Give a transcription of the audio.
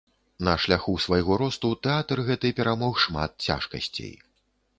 На шляху свайго росту тэатр гэты перамог шмат цяжкасцей.